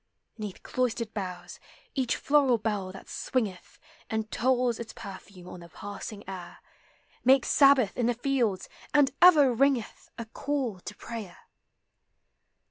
'Neath cloistered boughs, each floral bell that swingeth And tolls its perfume on the passing air, Makes Sabbath in the fields, and ever ringeth A call to prayer.